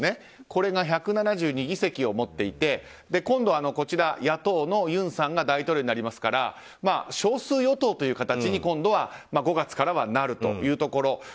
これは１７２議席を持っていて今度、野党のユンさんが大統領になりますから少数与党という形に今度５月からはなるというところ。